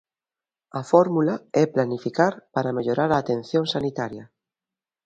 A fórmula é planificar para mellorar a atención sanitaria.